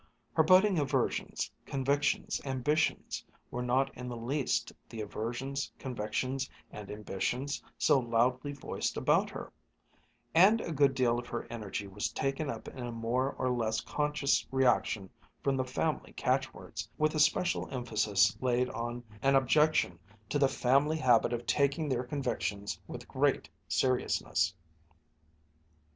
Her budding aversions, convictions, ambitions were not in the least the aversions, convictions, and ambitions so loudly voiced about her; and a good deal of her energy was taken up in a more or less conscious reaction from the family catchwords, with especial emphasis laid on an objection to the family habit of taking their convictions with great seriousness.